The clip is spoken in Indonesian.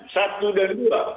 satu dan dua